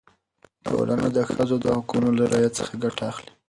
ټولنه د ښځو د حقونو له رعایت څخه ګټه اخلي.